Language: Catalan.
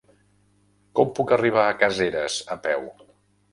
Com puc arribar a Caseres a peu?